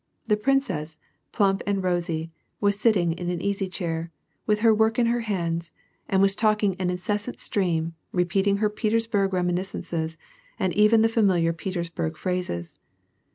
The princess, plump and rosy, was sitting in an easy chair, with her work in her hands, and was talking an incessant stream, repeating her Petersburg reminiscences, and even the familiar Petersburg phrases.